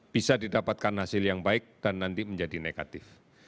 bisa didapatkan hasil yang baik dan nanti menjadi negatif